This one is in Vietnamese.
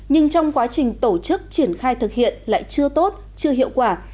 nhưng trong quá trình tổ chức triển khai thực hiện lại chưa tốt chưa hiệu quả